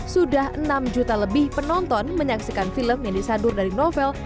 sudah enam juta lebih penonton menyaksikan film yang disadur dari novel